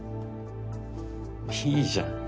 いいじゃん